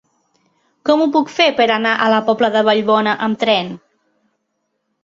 Com ho puc fer per anar a la Pobla de Vallbona amb tren?